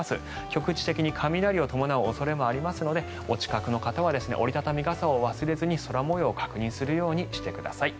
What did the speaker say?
局地的に雷を伴う恐れもありますのでお近くの方は折り畳み傘を忘れずに空模様を確認するようにしてください。